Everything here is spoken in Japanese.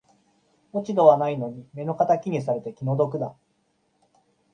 落ち度はないのに目の敵にされて気の毒だ